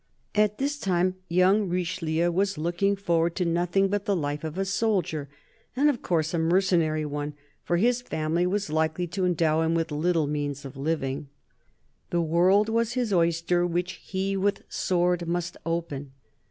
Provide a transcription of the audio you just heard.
At this time young Richelieu was looking forward to nothing but the life of a soldier, and of course a mercenary one, for his family was likely to endow him with little means of living. The world was his oyster, which he with sword must open.